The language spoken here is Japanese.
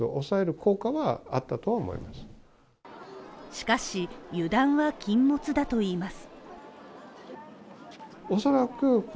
しかし油断は禁物だといいます